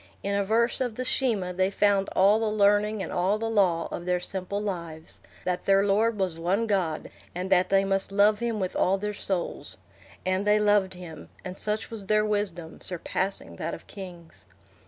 In a verse of the Shema they found all the learning and all the law of their simple lives—that their Lord was One God, and that they must love him with all their souls. And they loved him, and such was their wisdom, surpassing that of kings.